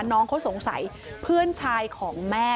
น้องเขาสงสัยเพื่อนชายของแม่